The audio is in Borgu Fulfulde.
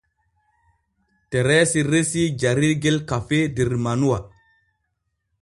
Tereesi resii jarirgel kafee der manuwa.